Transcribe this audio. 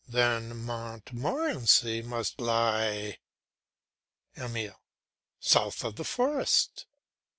Then Montmorency must lie... EMILE. South of the forest.